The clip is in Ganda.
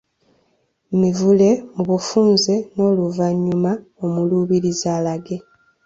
Mivule mu bufunze n’oluvannyuma omuluubirizi alage